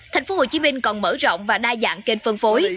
thành phố hồ chí minh còn mở rộng và đa dạng kênh phân phối